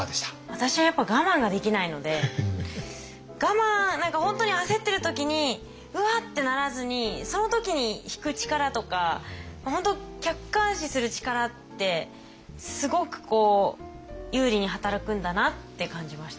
私はやっぱ我慢ができないので何か本当に焦ってる時に「うわ！」ってならずにその時に引く力とか本当客観視する力ってすごく有利に働くんだなって感じました。